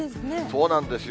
そうなんですよ。